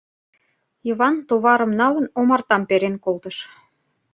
Йыван, товарым налын, омартам перен колтыш.